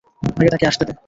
আগে তাকে আসতে দে।